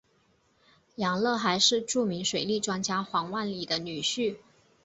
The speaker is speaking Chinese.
杨乐还是著名水利专家黄万里的女婿。